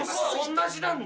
同じなんだ。